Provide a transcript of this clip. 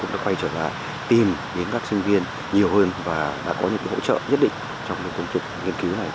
cũng được quay trở lại tìm đến các sinh viên nhiều hơn và đã có những hỗ trợ nhất định trong những công trực nghiên cứu này